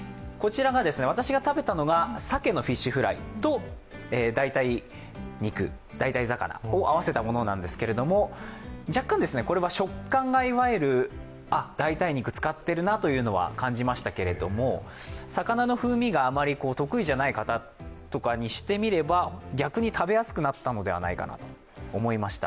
私が食べたのがさけのフィッシュフライと代替魚を合わせたものなんですが、若干、これは食感が代替肉を使っているなというのを感じましたけど、魚の風味があまり得意じゃない方にしてみれば逆に食べやすくなったのではないかと思いました。